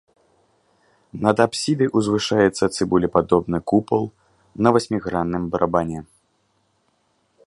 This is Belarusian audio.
Над апсідай узвышаецца цыбулепадобны купал на васьмігранным барабане.